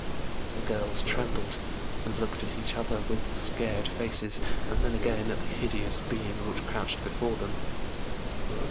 The girls trembled and looked at each other with scared faces, and then again at the hideous being which crouched before them.